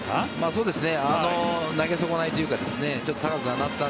そうですね。